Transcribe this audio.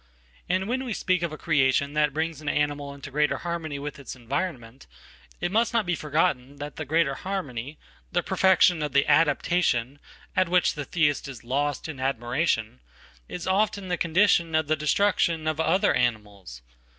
And when we speak of a creation that brings an animalinto greater harmony with its environment, it must not be forgottenthat the greater harmony, the perfection of the "adaptation" atwhich the Theist is lost in admiration, is often the condition ofthe destruction of other animals.